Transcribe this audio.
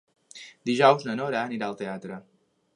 Dijous na Nora anirà al teatre.